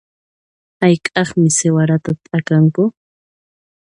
Hayk'aqmi siwarata t'akanku?